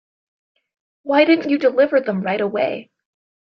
Why didn't you deliver them right away?